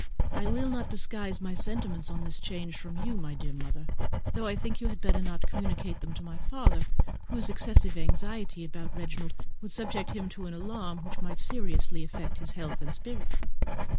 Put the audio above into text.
I will not disguise my sentiments on this change from you, my dear mother, though I think you had better not communicate them to my father, whose excessive anxiety about Reginald would subject him to an alarm which might seriously affect his health and spirits.